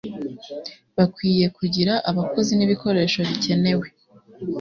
bagomba kugira abakozi n'ibikoresho bikenewe